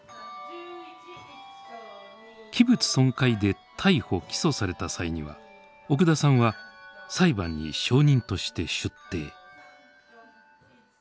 器物損壊で逮捕・起訴された際には奥田さんは裁判に証人として出廷。